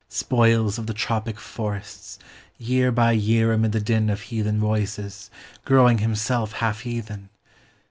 Spoils of the tropic forests ; year by year ■ L Amid the din of heathen voices, oTOwine: 'V ^ ^^V Himself half heathen